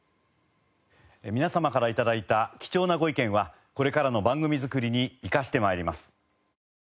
皆様から頂いた貴重なご意見はこれからの番組作りに生かして参ります。